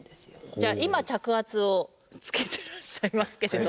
じゃあ今着圧を着けていらっしゃいますけれど。